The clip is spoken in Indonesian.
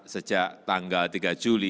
sejak tanggal tiga juli hingga hari ini